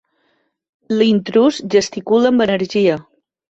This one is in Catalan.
L'intrús gesticula amb energia.